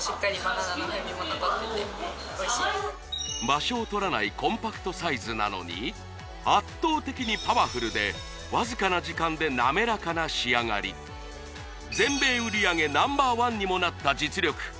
場所をとらないコンパクトサイズなのに圧倒的にパワフルでわずかな時間でなめらかな仕上がりにもなった実力